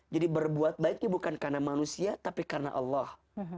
jadi berbuat baik bukan karena manusia tapi karena allah